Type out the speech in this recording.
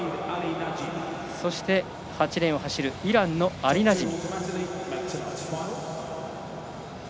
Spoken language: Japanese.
そして、８レーンを走るイランのアリナジミ。